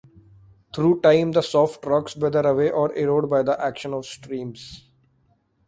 Through time the soft rocks weather away or erode by the action of streams.